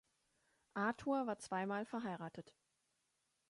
Arthur war zweimal verheiratet.